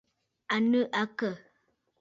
À nɨ̂ àkə̀?